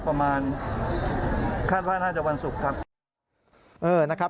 ประมาณคาดว่าน่าจะวันศุกร์ครับ